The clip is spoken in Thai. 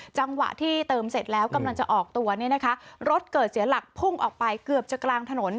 จังหวะที่เติมเสร็จแล้วกำลังจะออกตัวเนี่ยนะคะรถเกิดเสียหลักพุ่งออกไปเกือบจะกลางถนน